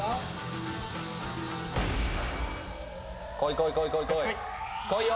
こいこいこいこいよ